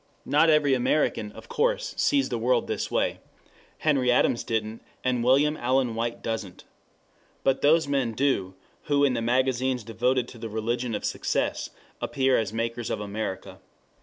Not every American, of course, sees the world this way. Henry Adams didn't, and William Allen White doesn't. But those men do, who in the magazines devoted to the religion of success appear as Makers of America.